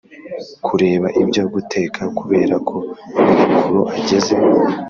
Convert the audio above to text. kureba ibyo guteka kubera ko nyogokuru ageze